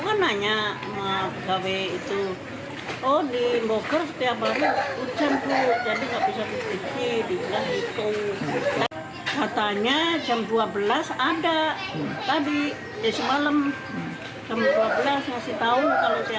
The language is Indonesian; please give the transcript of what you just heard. katanya jam dua belas ada tadi ya semalam jam dua belas ngasih tau kalau siang tiga